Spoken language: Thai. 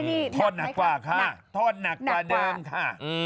งงงงทดหนักกว่าค่ะ